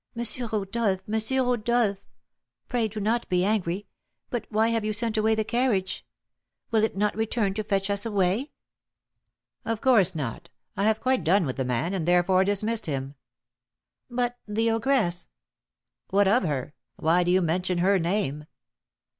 Rodolph! M. Rodolph! pray do not be angry, but why have you sent away the carriage? Will it not return to fetch us away?" "Of course not; I have quite done with the man, and therefore dismissed him." "But the ogress!" "What of her? Why do you mention her name?"